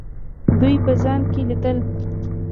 دوی په ځان کې لیدل.